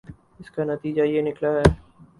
اس کا نتیجہ یہ نکلتا ہے